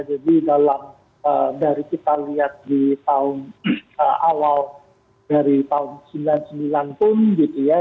jadi dalam dari kita lihat di tahun awal dari tahun seribu sembilan ratus sembilan puluh sembilan pun gitu ya